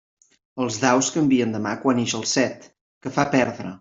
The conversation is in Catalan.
Els daus canvien de mà quan ix el set, que fa perdre.